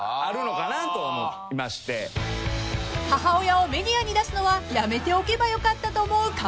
［母親をメディアに出すのはやめておけばよかったと思う河井さん］